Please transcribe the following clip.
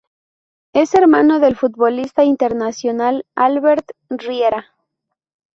Es hermano del futbolista internacional Albert Riera.